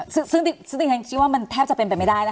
ซึ่งดิฉันคิดว่ามันแทบจะเป็นไปไม่ได้แล้ว